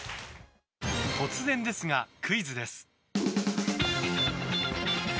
突然ですが、クイズです。